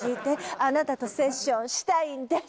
「あなたとセッションしたいんです」